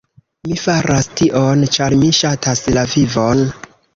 Mi faras tion, ĉar mi ŝatas la vivon!